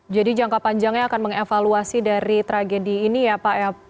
jadi jangka panjangnya akan mengevaluasi dari tragedi ini ya pak